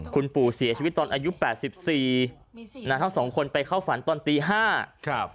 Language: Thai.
คุณปู่เสียชีวิตตอนอายุแปดสิบสี่นะทั้งสองคนไปเข้าฝันตอนตีห้าครับ